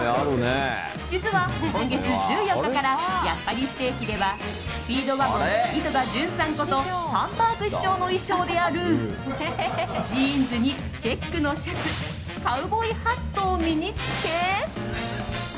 実は、今月１４日からやっぱりステーキではスピードワゴン井戸田潤さんことハンバーグ師匠の衣装であるジーンズにチェックのシャツカウボーイハットを身に着け。